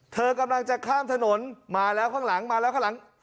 เธอกำลังจะข้ามถนนมาแล้วข้างหลังมาแล้วข้างหลัง